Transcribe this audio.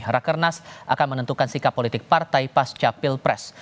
rakernas akan menentukan sikap politik partai pas capil pres